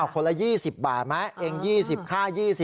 คนละ๒๐บาทไหมเอง๒๐ค่า๒๐